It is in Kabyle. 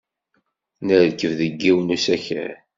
Nerkeb deg yiwen n usakal.